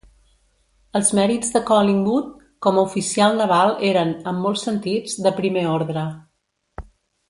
Els mèrits de Collingwood com a oficial naval eren, en molts sentits, de primer ordre.